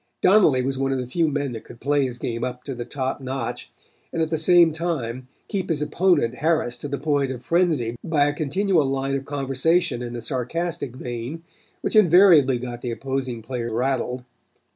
Donnelly was one of the few men that could play his game up to the top notch and at the same time keep his opponent harassed to the point of frenzy by a continual line of conversation in a sarcastic vein which invariably got the opposing player rattled.